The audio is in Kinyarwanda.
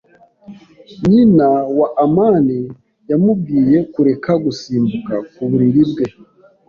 Nyina wa amani yamubwiye kureka gusimbuka ku buriri bwe.